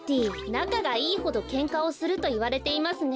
なかがいいほどケンカをするといわれていますね。